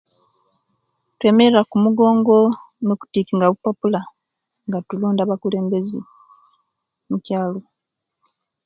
Twemerera kumugongo no'kutikinga bupapula nga tulonda abakulembezi mukyaalo